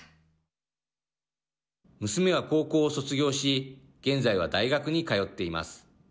娘は高校を卒業し現在は大学に通っています。